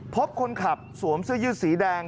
พบคนขับสวมเสื้อยืดสีแดง